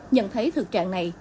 nhận thấy thực trạng này